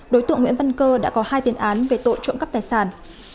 đối tượng nguyễn văn cơ đã có hai tiền án về tội trộm cắp tài sản